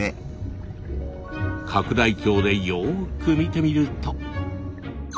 拡大鏡でよく見てみると。